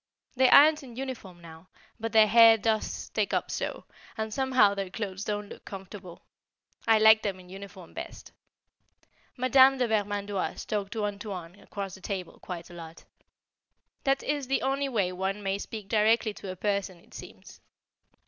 They aren't in uniform now, but their hair does stick up so, and somehow their clothes don't look comfortable. I liked them in uniform best. Madame de Vermandoise talked to "Antoine" across the table quite a lot. That is the only way one may speak directly to a person, it seems.